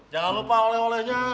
jangan lupa oleh olehnya